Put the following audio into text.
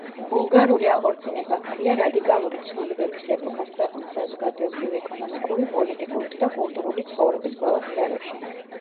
ბულგარული აღორძინება ჰქვია რადიკალური ცვლილებების ეპოქას ქვეყნის საზოგადოებრივ-ეკონომიკური, პოლიტიკური და კულტურული ცხოვრების ყველა სფეროში.